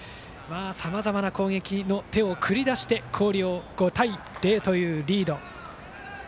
さまざまな攻撃の手を繰り出して広陵は５対０とリード。